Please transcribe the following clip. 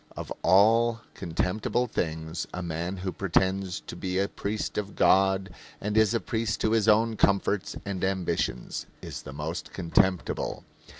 "Of all contemptible things a man who pretends to be a priest of God and is a priest to his own comforts and ambitions is the most contemptible."